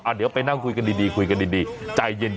อ่าเดี๋ยวไปนั่งคุยกันดีคุย